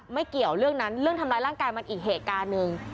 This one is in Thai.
เกี่ยวเรื่องนั้นเรื่องทำร้ายร่างกายมันอีกเหตุการณ์หนึ่ง